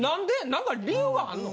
何か理由があんの？